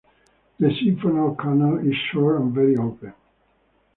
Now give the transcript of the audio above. The siphonal canal is short and very open.